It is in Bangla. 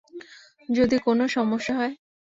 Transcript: যদি কোনও সমস্যা হয়।